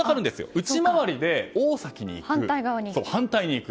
内回りで大崎に行く、反対に行く。